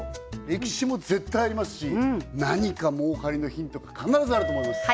歴史も絶対ありますし何か儲かりのヒントが必ずあると思います